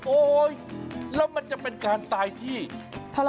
โอ๊ยแล้วมันจะเป็นการตายเท่าไหร่นะ